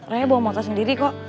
raya bawa motor sendiri kok